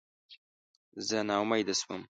زه ناامیده شوم.